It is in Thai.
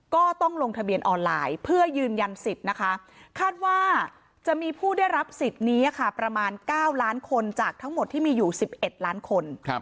ก็ต้องลงทะเบียนออนไลน์เพื่อยืนยันสิทธิ์นะคะคาดว่าจะมีผู้ได้รับสิทธิ์นี้ค่ะประมาณ๙ล้านคนจากทั้งหมดที่มีอยู่๑๑ล้านคน